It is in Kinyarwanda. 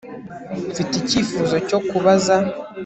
Mfite icyifuzo cyo kubaza